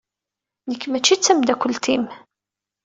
Nekk mačči d tamdakelt-im.